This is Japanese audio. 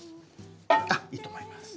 あっいいと思います。